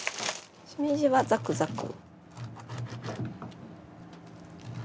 しめじはザクザク。